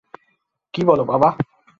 কী বল বাবা?